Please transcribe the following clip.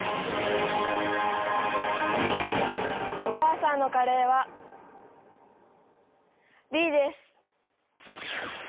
お母さんのカレーはＢです！